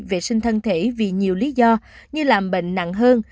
vệ sinh thân thể vì nhiều lý do như làm bệnh nặng hơn